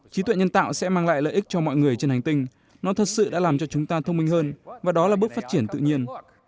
trí tuệ nhân tạo sẽ mang lại lợi ích cho mọi người trên hành tinh nó thật sự đã làm cho chúng ta thông minh hơn và đó là bước phát triển tự nhiên